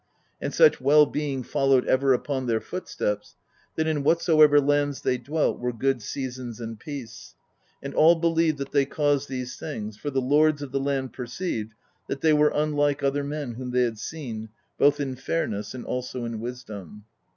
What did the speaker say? And such well being followed ever upon their footsteps, that in whatsoever lands they dwelt were good seasons and peace; and all believed that they caused these things, for the lords of the land perceived that they were unlike other men whom they had seen, both in fairness and also in wisdom.